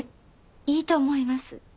いいと思います。